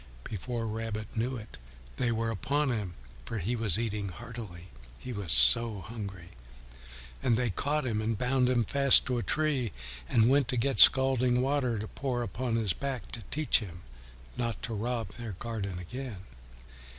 Before Rabbit knew it, they were upon him, for he was eating heartily, he was so hungry, and they caught him and bound him fast to a tree and went to get scalding water to pour upon his back to teach him not to rob their garden again.